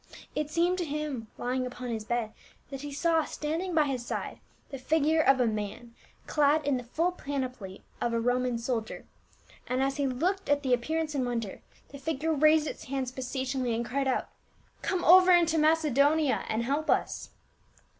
It seemed to him, lying upon his bed, that he saw standing by his side the figure of a man, clad in the full panoply of a Roman soldier, and as he looked at the appearance in Vv'onder, the figure raised its hands beseechingly and cried out, " Come over into Macedo nia and help us